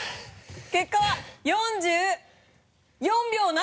結果は４４秒７！